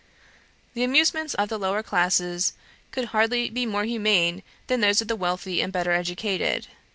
The amusements of the lower classes could hardly be expected to be more humane than those of the wealthy and better educated.